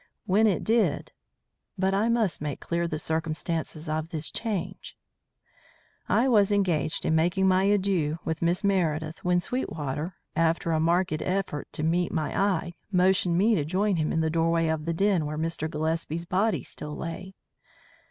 When it did but I must make clear the circumstances of this change. I was engaged in making my adieux to Miss Meredith, when Sweetwater, after a marked effort to meet my eye, motioned me to join him in the doorway of the den where Mr. Gillespie's body still lay.